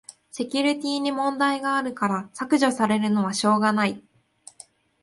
セキュリティに問題あるから削除されるのはしょうがない